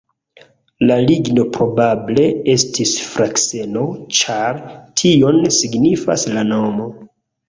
La ligno probable estis frakseno, ĉar tion signifas la nomo.